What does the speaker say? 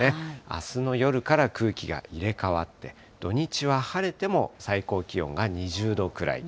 あすの夜から空気が入れ代わって、土日は晴れても最高気温が２０度くらい。